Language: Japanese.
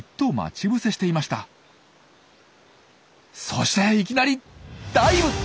そしていきなりダイブ！